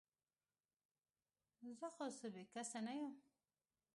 زه خو څه بې کسه نه یم ؟